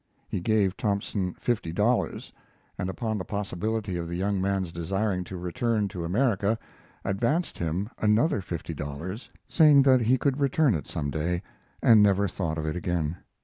He gave Thompson fifty dollars, and upon the possibility of the young man's desiring to return to America, advanced him another fifty dollars, saying that he could return it some day, and never thought of it again.